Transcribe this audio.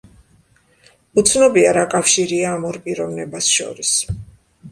უცნობია რა კავშირია ამ ორ პიროვნებას შორის.